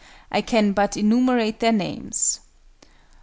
I can but enumerate their names.